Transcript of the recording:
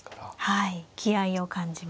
はい。